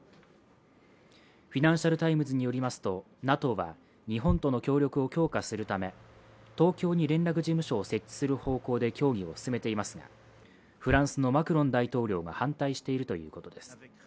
「フィナンシャル・タイムズ」によりますとＮＡＴＯは日本との協力を強化するため東京に連絡事務所を設置する方向で協議を進めていますがフランスのマクロン大統領が反対しているということです。